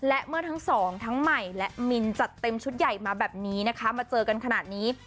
และเมื่อทั้งสองทั้งใหม่และมินจัดเต็มชุดใหญ่มาแบบนี้นะคะมาเจอกันขนาดนี้